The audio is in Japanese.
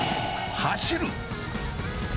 走る。